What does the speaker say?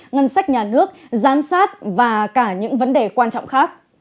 ngân sách nhà nước giám sát và cả những vấn đề quan trọng khác